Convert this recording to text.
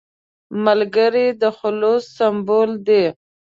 ملګری د خلوص سمبول دی